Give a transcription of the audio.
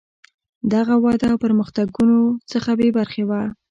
دغه وده له پرمختګونو څخه بې برخې وه.